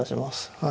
はい。